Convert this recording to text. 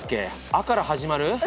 「ア」から始まる。